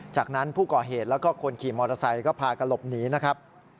จากนั้นผู้ก่อเหตุแล้วก็คนขี่มอเตอร์ไซค์ก็พากันหลบหนีนะครับ